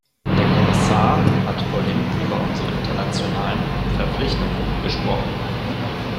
Der Kommissar hat vorhin über unsere internationalen Verpflichtungen gesprochen.